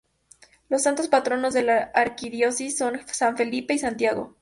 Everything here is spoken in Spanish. Los santos patronos de la Arquidiócesis son San Felipe y Santiago.